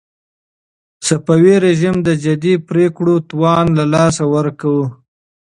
صفوي رژيم د جدي پرېکړو توان له لاسه ورکړی و.